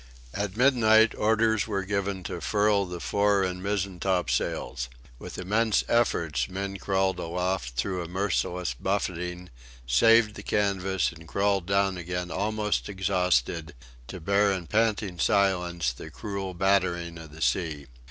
At midnight, orders were given to furl the fore and mizen topsails. With immense efforts men crawled aloft through a merciless buffeting, saved the canvas and crawled down almost exhausted, to bear in panting silence the cruel battering of the seas.